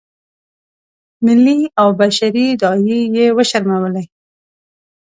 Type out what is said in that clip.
ملي او بشري داعیې یې وشرمولې.